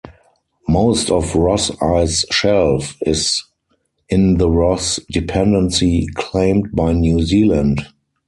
Most of Ross Ice Shelf is in the Ross Dependency claimed by New Zealand.